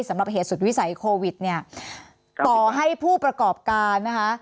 สำหรับเหตุสุดวิสัยโควิดเนี่ยต่อให้ผู้ประกอบการนะคะ